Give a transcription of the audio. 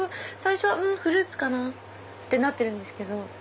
最初はフルーツかな？ってなってるんですけど